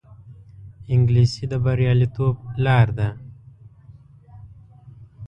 انګلیسي د بریالیتوب لار ده